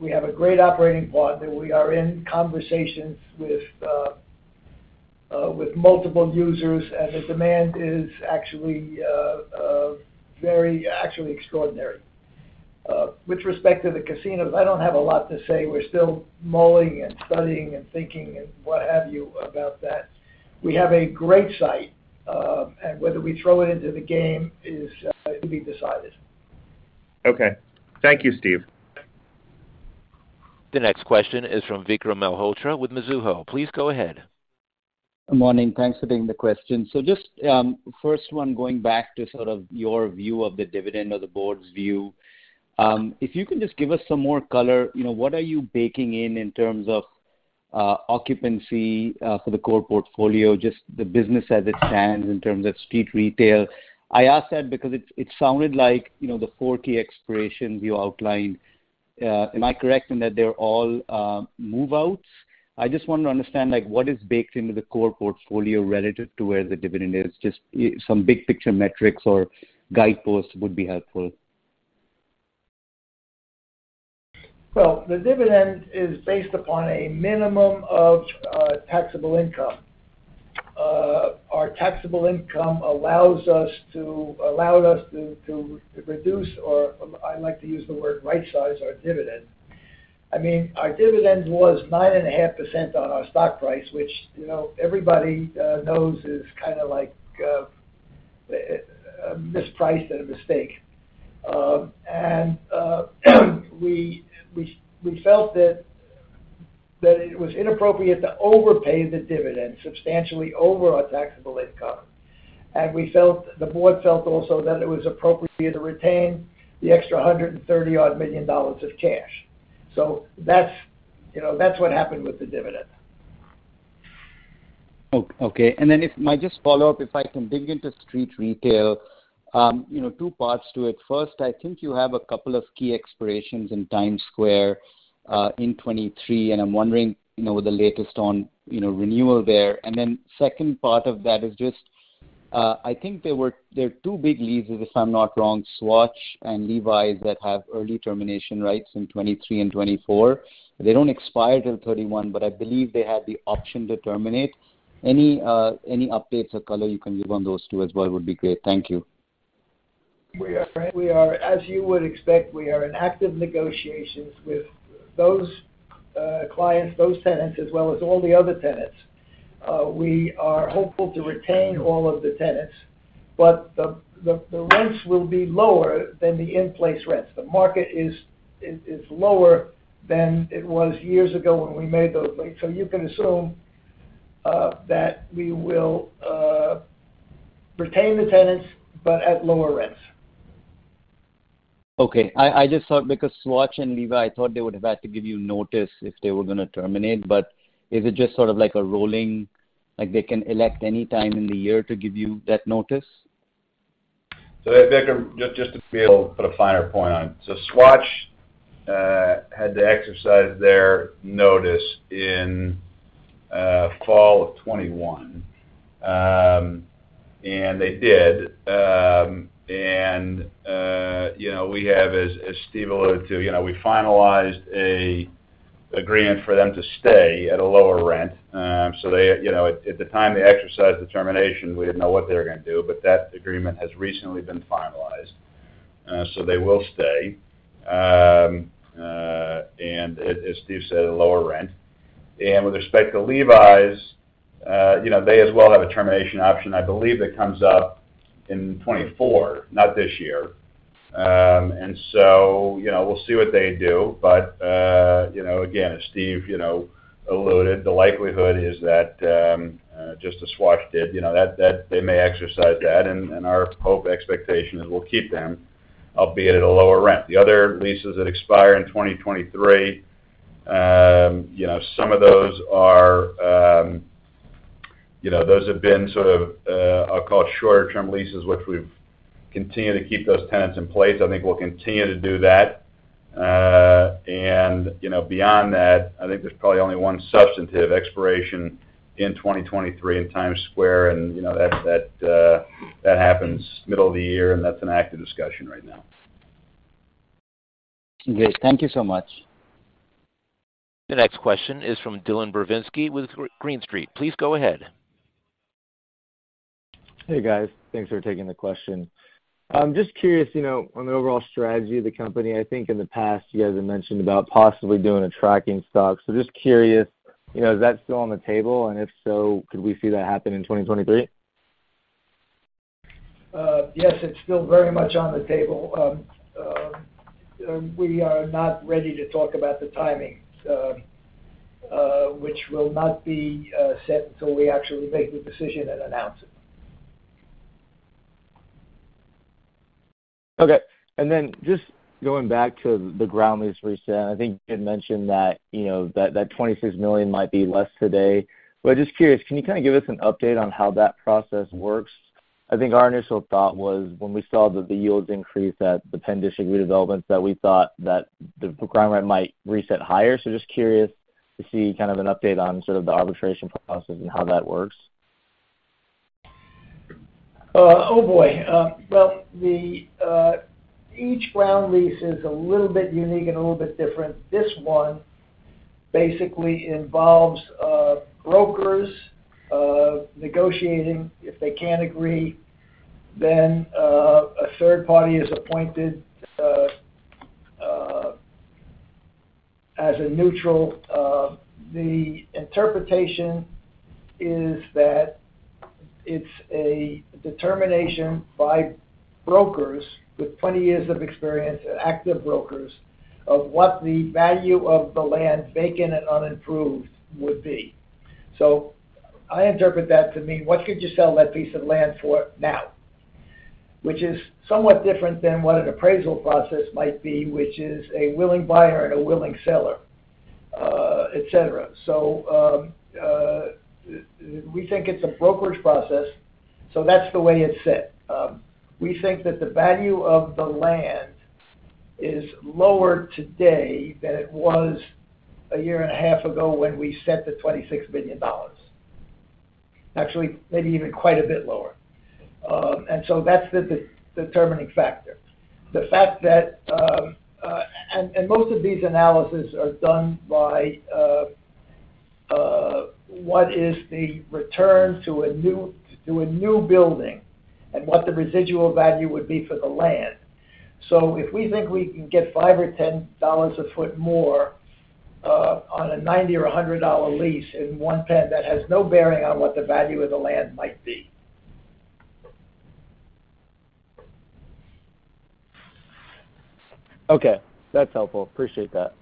We have a great operating partner. We are in conversations with multiple users, and the demand is actually very extraordinary. With respect to the casinos, I don't have a lot to say. We're still mulling and studying and thinking and what have you about that. We have a great site, and whether we throw it into the game is to be decided. Okay. Thank you, Steve. The next question is from Vikram Malhotra with Mizuho. Please go ahead. Morning. Thanks for taking the question. Just, first one, going back to sort of your view of the dividend or the board's view, if you can just give us some more color, you know, what are you baking in in terms of occupancy for the core portfolio, just the business as it stands in terms of street retail. I ask that because it sounded like, you know, the 40 expiration you outlined, am I correct in that they're all move-outs? I just want to understand, like, what is baked into the core portfolio relative to where the dividend is. Just some big picture metrics or guideposts would be helpful. Well, the dividend is based upon a minimum of taxable income. Our taxable income allowed us to reduce, or I like to use the word Right-Size our dividend. I mean, our dividend was 9.5% on our stock price, which, you know, everybody knows is kinda like mispriced and a mistake. We felt that it was inappropriate to overpay the dividend substantially over our taxable income. The board felt also that it was appropriate for you to retain the extra $130 odd million of cash. That's, you know, that's what happened with the dividend. Okay. might just follow up, if I can dig into street retail, you know, 2 parts to it. First, I think you have a couple of key expirations in Times Square in 2023, and I'm wondering, you know, the latest on, you know, renewal there. second part of that is just, I think there are 2 big leases, if I'm not wrong, Swatch and Levi's that have early termination rights in 2023 and 2024. They don't expire till 2031, but I believe they have the option to terminate. Any updates or color you can give on those 2 as well would be great. Thank you. We are As you would expect, we are in active negotiations with those clients, those tenants, as well as all the other tenants. We are hopeful to retain all of the tenants, but the rents will be lower than the in-place rents. The market is lower than it was years ago when we made those leases. You can assume that we will retain the tenants, but at lower rents. Okay. I just thought because Swatch and Levi, I thought they would have had to give you notice if they were gonna terminate. Is it just sort of like a rolling, like they can elect any time in the year to give you that notice? Vikram, just to be able to put a finer point on. Swatch had to exercise their notice in fall of 2021. They did. You know, we have as Steve alluded to, you know, we finalized a agreement for them to stay at a lower rent. They, you know, at the time they exercised the termination, we didn't know what they were gonna do, but that agreement has recently been finalized. They will stay. As Steve said, at a lower rent. With respect to Levi's, you know, they as well have a termination option, I believe that comes up in 2024, not this year. You know, we'll see what they do. you know, again, as Steve, you know, alluded, the likelihood is that, just as Swatch did, you know, that they may exercise that, and our hope expectation is we'll keep them, albeit at a lower rent. The other leases that expire in 2023, you know, some of those are, you know, those have been sort of, I'll call it shorter-term leases, which we've continued to keep those tenants in place. I think we'll continue to do that. And, you know, beyond that, I think there's probably only one substantive expiration in 2023 in Times Square, and, you know, that happens middle of the year, and that's an active discussion right now. Great. Thank you so much. The next question is from Dylan Brzinski with Green Street. Please go ahead. Hey, guys. Thanks for taking the question. I'm just curious, you know, on the overall strategy of the company. I think in the past, you guys have mentioned about possibly doing a tracking stock. Just curious, you know, is that still on the table? If so, could we see that happen in 2023? Yes, it's still very much on the table. We are not ready to talk about the timing, which will not be set until we actually make the decision and announce it. Just going back to the ground lease reset, I think you had mentioned that, you know, that $26 million might be less today. Just curious, can you kind of give us an update on how that process works? Our initial thought was when we saw that the yields increased at the Penn District redevelopments, that we thought that the ground rent might reset higher. Just curious to see kind of an update on sort of the arbitration process and how that works. Oh, boy. Well, the each ground lease is a little bit unique and a little bit different. This one basically involves brokers negotiating. If they can't agree, a third party is appointed as a neutral. The interpretation is that it's a determination by brokers with 20 years of experience, active brokers, of what the value of the land vacant and unimproved would be. I interpret that to mean, what could you sell that piece of land for now? Which is somewhat different than what an appraisal process might be, which is a willing buyer and a willing seller, et cetera. We think it's a brokerage process, so that's the way it's set. We think that the value of the land is lower today than it was a year and a 1/2 ago when we set the $26 billion. Actually, maybe even quite a bit lower. That's the De-Determining factor. The fact that, and most of these analysis are done by, what is the return to a new building and what the residual value would be for the land. If we think we can get $5 or $10 a foot more on a $90 or $100 lease in PENN 1, that has no bearing on what the value of the land might be. Okay, that's helpful. Appreciate that.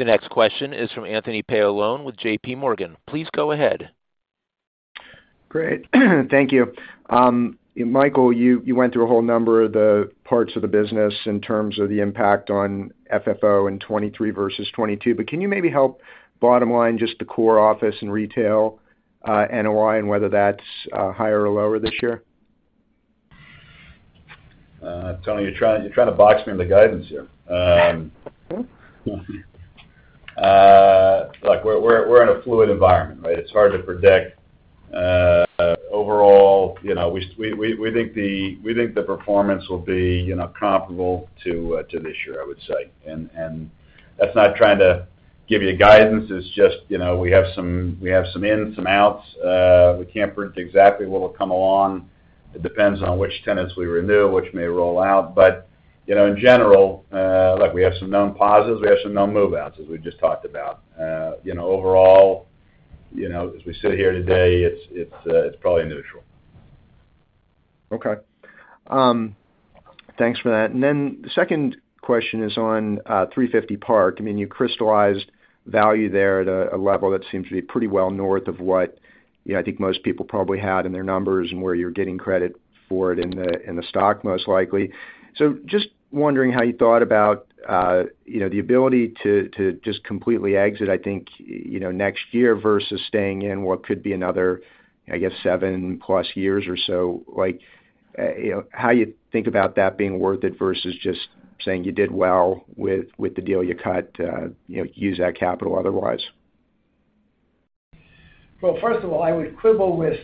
The next question is from Anthony Paolone with J.P. Morgan. Please go ahead. Great. Thank you. Michael, you went through a whole number of the parts of the business in terms of the impact on FFO in 2023 versus 2022. Can you maybe help bottom line just the core office and retail, NOI, and whether that's higher or lower this year? Tony, you're trying to box me in the guidance here. Mm-hmm. Look, we're in a fluid environment, right? It's hard to predict. Overall, you know, we think the performance will be, you know, comparable to this year, I would say. That's not trying to give you guidance. It's just, you know, we have some in, some outs. We can't predict exactly what will come along. It depends on which tenants we renew, which may roll out. You know, in general, look, we have some known positives, we have some known move-outs, as we just talked about. You know, overall, you know, as we sit here today, it's probably neutral. Okay. Thanks for that. The second question is on Three Fifty Park. I mean, you crystallized value there at a level that seems to be pretty well north of what, you know, I think most people probably had in their numbers and where you're getting credit for it in the stock, most likely. Just wondering how you thought about, you know, the ability to just completely exit, I think, you know, next year versus staying in what could be another, I guess, 7+ years or so. Like, you know, how you think about that being worth it versus just saying you did well with the deal you cut to, you know, use that capital otherwise. Well, first of all, I would quibble with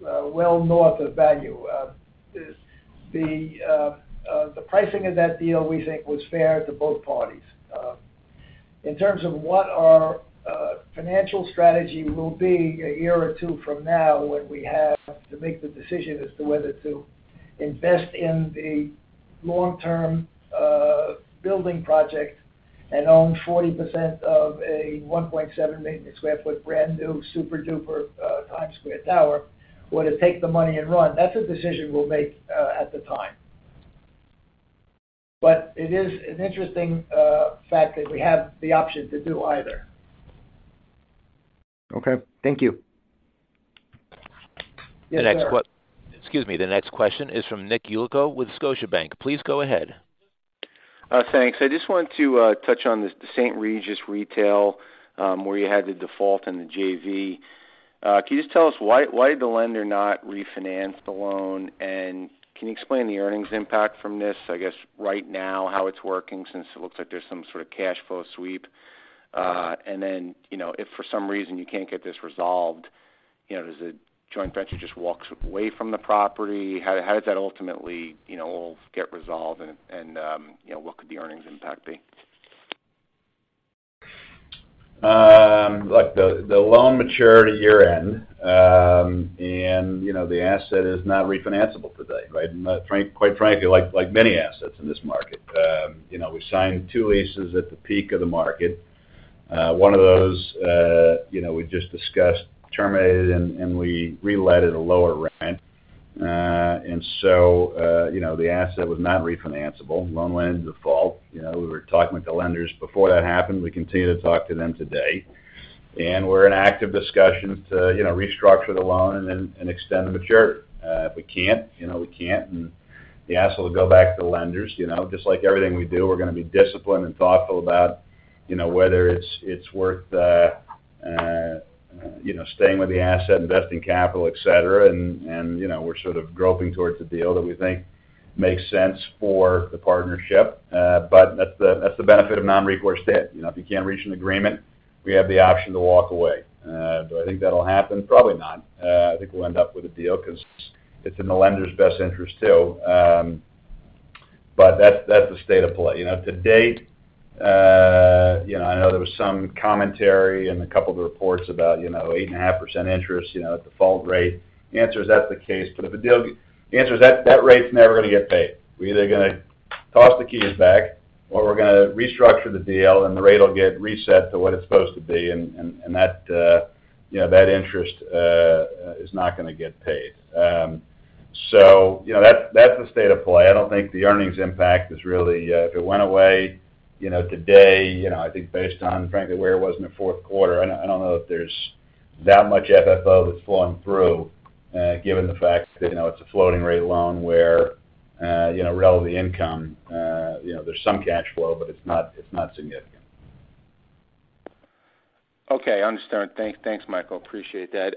well north of value. The pricing of that deal, we think, was fair to both parties. In terms of what our financial strategy will be a year or 2 from now, when we have to make the decision as to whether to invest in the long-term building project and own 40% of a 1.7 million sq ft brand new super-duper Times Square tower, or to take the money and run, that's a decision we'll make at the time. It is an interesting fact that we have the option to do either. Okay, thank you. Yes, sir. Excuse me. The next question is from Nicholas Yulico with Scotiabank. Please go ahead. Thanks. I just wanted to touch on this, the St. Regis retail, where you had the default in the JV. Can you just tell us why the lender not refinance the loan? Can you explain the earnings impact from this, I guess right now, how it's working, since it looks like there's some sort of cash flow sweep? You know, if for some reason you can't get this resolved, you know, does the joint venture just walks away from the property? How does that ultimately, you know, get resolved and, you know, what could the earnings impact be? Look, the loan matured at year-end. You know, the asset is not refinanceable today, right? Quite frankly, like many assets in this market. You know, we signed 2 leases at the peak of the market. One of those, you know, we just discussed, terminated, and we re-let at a lower rent. You know, the asset was not refinanceable. uncertain. You know, we were talking with the lenders before that happened. We continue to talk to them today. We're in active discussions to, you know, restructure the loan and extend the maturity. If we can't, you know, we can't, the asset will go back to the lenders. You know, just like everything we do, we're gonna be disciplined and thoughtful about, you know, whether it's worth, you know, staying with the asset, investing capital, et cetera. You know, we're sort of groping towards a deal that we think makes sense for the partnership. That's the benefit of non-recourse debt. You know, if you can't reach an agreement, we have the option to walk away. Do I think that'll happen? Probably not. I think we'll end up with a deal 'cause it's in the lender's best interest, too. That's the state of play. You know, to date, you know, I know there was some commentary and a couple of reports about, you know, 8.5% interest, you know, at default rate. The answer is that's the case, but the answer is that rate's never gonna get paid. We're either gonna toss the keys back, or we're gonna restructure the deal, and the rate'll get reset to what it's supposed to be, and that, you know, that interest is not gonna get paid. You know, that's the state of play. I don't think the earnings impact is really. If it went away, you know, today, you know, I think based on frankly where it was in the fourth 1/4, I don't, I don't know if there's that much FFO that's flowing through, given the fact that, you know, it's a floating rate loan where, you know, relevant income, you know, there's some cash flow, but it's not, it's not significant. Okay, understand. Thanks, Michael. Appreciate that.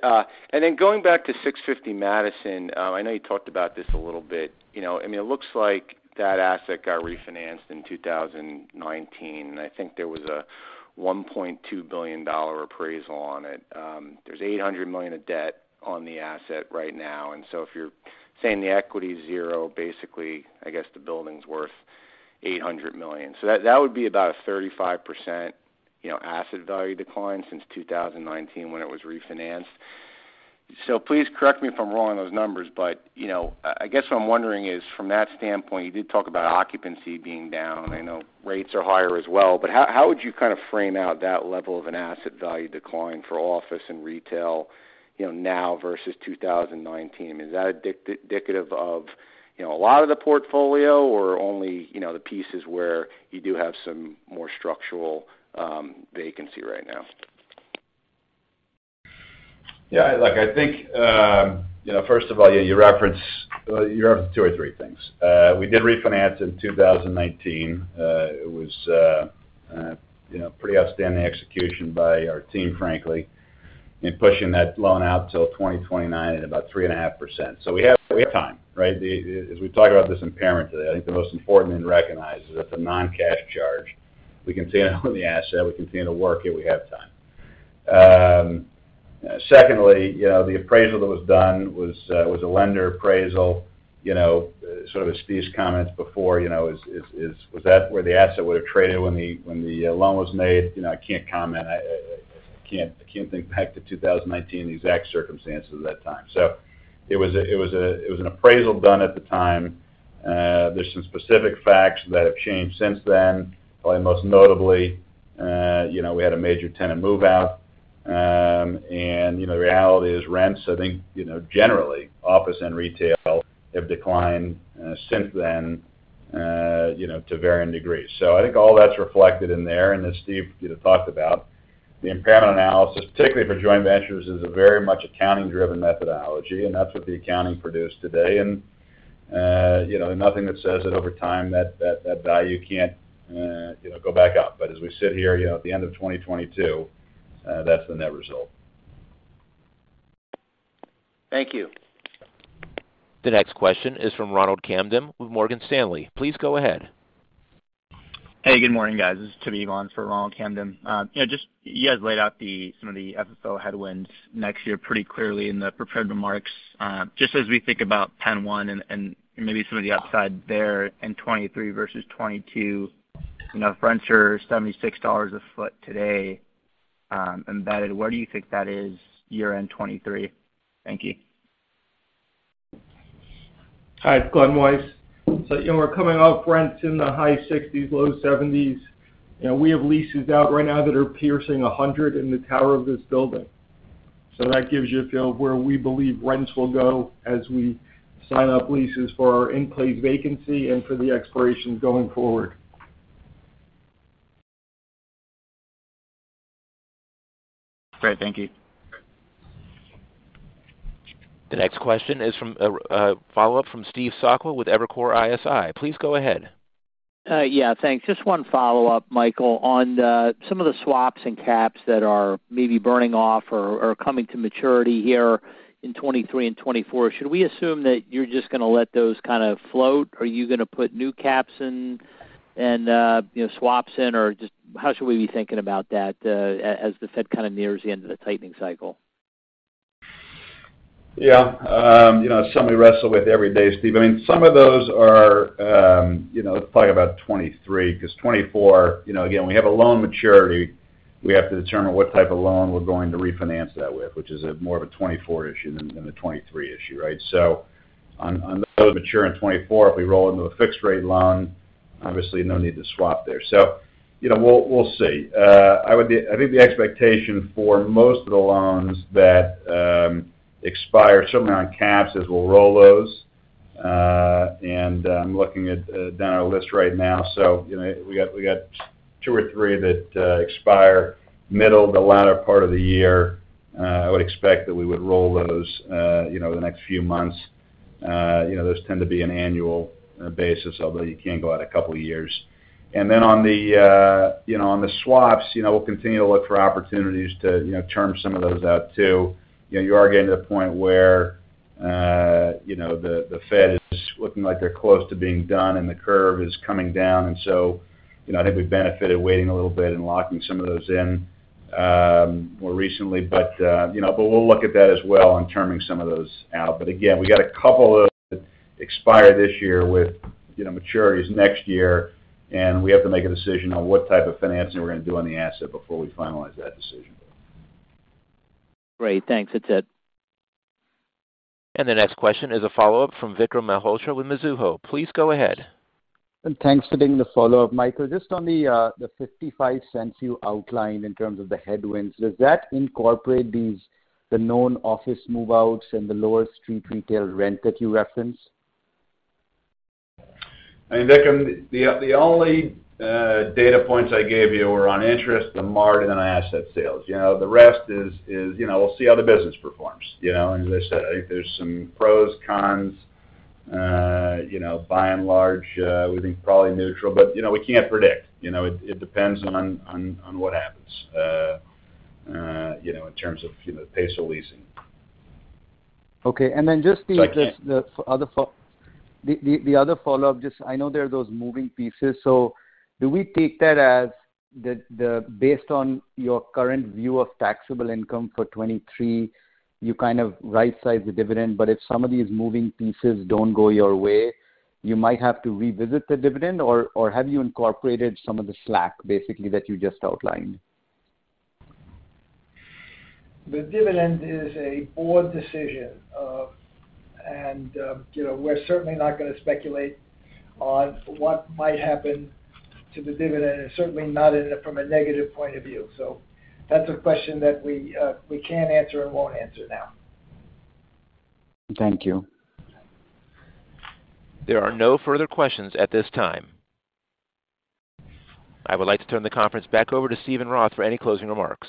Going back to 650 Madison, I know you talked about this a little bit. You know, I mean, it looks like that asset got refinanced in 2019, and I think there was a $1.2 billion appraisal on it. There's $800 million of debt on the asset right now, if you're saying the equity's zero, basically, I guess the building's worth $800 million. That would be about a 35%, you know, asset value decline since 2019 when it was refinanced. Please correct me if I'm wrong on those numbers, you know, I guess what I'm wondering is, from that standpoint, you did talk about occupancy being down. I know rates are higher as well, how would you kind of frame out that level of an asset value decline for office and retail, you know, now versus 2019? Is that indicative of, you know, a lot of the portfolio or only, you know, the pieces where you do have some more structural vacancy right now? Yeah. Look, I think, you know, first of all, Well, you referenced 2 or 3 things. We did refinance in 2019. It was, you know, pretty outstanding execution by our team, frankly, in pushing that loan out till 2029 at about 3.5%. We have time, right? As we talk about this impairment today, I think the most important thing to recognize is it's a non-cash charge. We continue to own the asset. We continue to work it. We have time. Secondly, you know, the appraisal that was done was a lender appraisal. You know, sort of as Steve's comments before, you know, is that where the asset would have traded when the loan was made? You know, I can't comment. I can't think back to 2019, the exact circumstances of that time. It was an appraisal done at the time. There's some specific facts that have changed since then. Probably most notably, you know, we had a major tenant move out. And, you know, the reality is rents, I think, you know, generally, office and retail have declined since then, you know, to varying degrees. I think all that's reflected in there. As Steve talked about, the impairment analysis, particularly for joint ventures, is a very much accounting-driven methodology, and that's what the accounting produced today. You know, nothing that says that over time that value can't, you know, go back up. As we sit here, you know, at the end of 2022, that's the net result. Thank you. The next question is from Ronald Kamdem with Morgan Stanley. Please go ahead. Hey, good morning, guys. This is Tim Evans for Ronald Kamdem. You know, just you guys laid out some of the FFO headwinds next year pretty clearly in the prepared remarks. Just as we think about PENN 1 and maybe some of the upside there in 2023 versus 2022, you know, rents are $76 a foot today, embedded. Where do you think that is year-end 2023? Thank you. Hi, it's Glen Weiss. You know, we're coming off rents in the high $60s, low $70s. You know, we have leases out right now that are piercing $100 in the tower of this building. That gives you a feel of where we believe rents will go as we sign up leases for our in-place vacancy and for the expirations going forward. Great. Thank you. The next question is from a follow-up from Steve Sakwa with Evercore ISI. Please go ahead. Yeah. Thanks. Just one follow-up, Michael, on some of the swaps and caps that are maybe burning off or are coming to maturity here in 2023 and 2024. Should we assume that you're just gonna let those kind of float? Are you gonna put new caps in and, you know, swaps in? Or just how should we be thinking about that as the Fed kind of nears the end of the tightening cycle? You know, something we wrestle with every day, Steve. I mean, some of those are, you know, let's talk about '23, cause '24, you know, again, we have a loan maturity. We have to determine what type of loan we're going to refinance that with, which is a more of a '24 issue than a '23 issue, right? On those mature in '24, if we roll into a fixed rate loan, obviously no need to swap there. You know, we'll see. I think the expectation for most of the loans that expire certainly on caps is we'll roll those. And I'm looking at down our list right now. You know, we got 2 or 3 that expire middle to latter part of the year. I would expect that we would roll those, you know, the next few months. You know, those tend to be an annual basis, although you can go out a couple of years. On the, you know, on the swaps, you know, we'll continue to look for opportunities to, you know, term some of those out too. You know, you are getting to a point where, you know, the Fed is looking like they're close to being done and the curve is coming down. You know, I think we benefited waiting a little bit and locking some of those in more recently. You know, but we'll look at that as well and terming some of those out. Again, we got a couple that expire this year with, you know, maturities next year, and we have to make a decision on what type of financing we're gonna do on the asset before we finalize that decision. Great. Thanks. That's it. The next question is a follow-up from Vikram Malhotra with Mizuho. Please go ahead. Thanks for taking the follow-up, Michael. Just on the $0.55 you outlined in terms of the headwinds, does that incorporate these, the known office move-outs and the lower street retail rent that you referenced? I mean, Vikram, the only data points I gave you were on interest, the margin, and asset sales. You know, the rest is, you know, we'll see how the business performs. You know, as I said, I think there's some pros, cons, you know. By and large, we think probably neutral, but, you know, we can't predict. You know, it depends on what happens, you know, in terms of, you know, pace of leasing. Okay. Just. So I can't- The other follow-up just I know there are those moving pieces. Do we take that as based on your current view of taxable income for 2023, you kind of right-size the dividend, but if some of these moving pieces don't go your way, you might have to revisit the dividend? Or have you incorporated some of the slack, basically that you just outlined? The dividend is a board decision. You know, we're certainly not gonna speculate on what might happen to the dividend, and certainly not in it from a negative point of view. That's a question that we can't answer and won't answer now. Thank you. There are no further questions at this time. I would like to turn the conference back over to Stephen Roth for any closing remarks.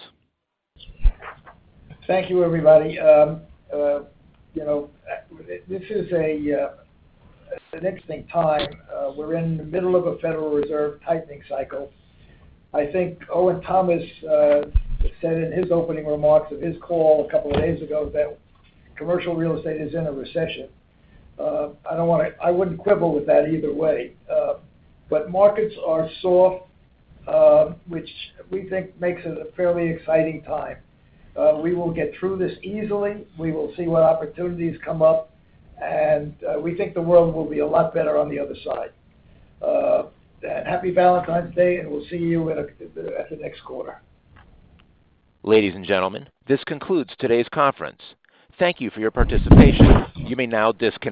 Thank you, everybody. You know, this is an interesting time. We're in the middle of a Federal Reserve tightening cycle. I think Owen Thomas said in his opening remarks of his call a couple of days ago that commercial real estate is in a recession. I wouldn't quibble with that either way. Markets are soft, which we think makes it a fairly exciting time. We will get through this easily. We will see what opportunities come up, and we think the world will be a lot better on the other side. Happy Valentine's Day, and we'll see you at the next 1/4. Ladies and gentlemen, this concludes today's conference. Thank you for your participation. You may now disconnect.